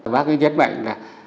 bác ấy nhấn mạnh là